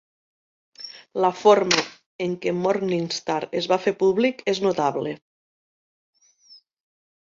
La forma en què Mornigstar es va fer públic és notable.